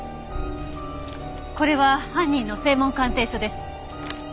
これは犯人の声紋鑑定書です。